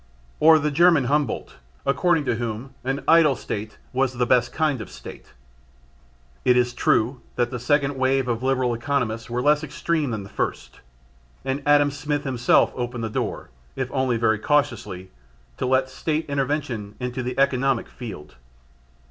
Or the German Humboldt according to whom an "idle" State was the best kind of State? It is true that the second wave of Liberal economists were less extreme than the first, and Adam Smith himself opened the door if only very cautiously to let State intervention into the economic field.